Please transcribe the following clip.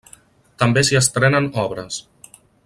També s'hi estrenen obres.